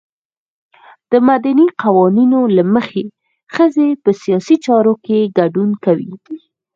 د مدني قوانینو له مخې ښځې په سیاسي چارو کې ګډون کوي.